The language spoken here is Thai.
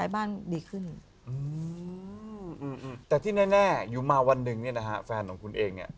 อย่างนี้นะคะเฟียงคุณเองอ่ะ